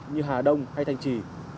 như hà đông hay thành trì